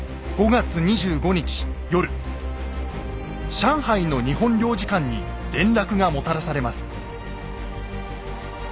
上海の日本領事館に連絡がもたらされます。